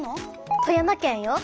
富山県よ。